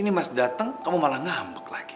ini mas datang kamu malah ngambek lagi